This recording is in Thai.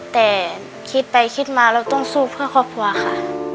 แต่คิดไปคิดมาเราต้องสู้เพื่อครอบครัวค่ะ